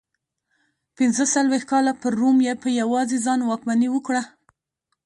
پنځه څلوېښت کاله پر روم په یوازې ځان واکمني وکړه